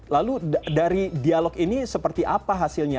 lalu dari dialog ini seperti apa hasilnya